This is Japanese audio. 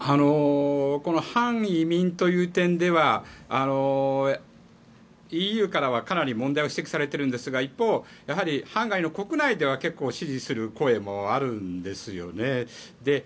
反移民という点ではＥＵからはかなり問題を指摘されていますが一方、ハンガリー国内では支持する声もあるんですね。